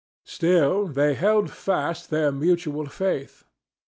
Still, they had held fast their mutual faith.